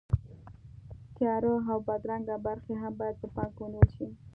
تیاره او بدرنګه برخې هم باید په پام کې ونیول شي.